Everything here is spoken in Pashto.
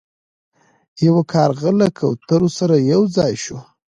یو کارغه له کوترو سره یو ځای شو.